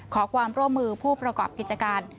ขอความร่วมมือผู้ประกอบกิจการ